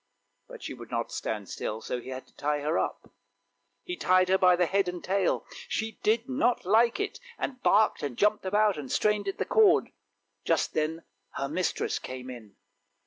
" But she would not stand still, so he had to tie her up. He tied her by the head and tail; she did not like it, and barked and jumped about and strained at the cord; just then her mistress came in.